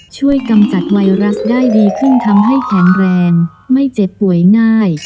กำจัดไวรัสได้ดีขึ้นทำให้แข็งแรงไม่เจ็บป่วยง่าย